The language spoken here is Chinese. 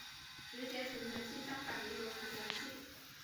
只写存储器相反的一种存储器。